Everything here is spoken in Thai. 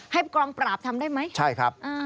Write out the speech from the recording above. ให้กองปราบทำได้ไหมอ่าใช่ครับ